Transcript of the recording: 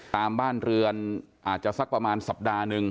ตามบ้านเรือนอาจจะสักประมาณสัปดาห์หนึ่ง